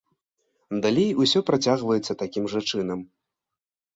Далей ўсё працягваецца такім жа чынам.